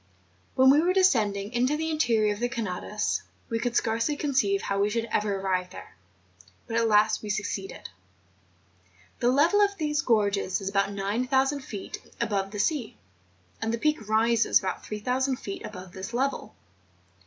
When we were descending into the interior of the Canadas we could scarcely conceive how we should ever arrive there; but at last we succeeded. The level of these gorges is about 9000 feet above the THE PEAK OF TENERIFFE. 263 sea; and the Peak rises about 3000 feet above this level.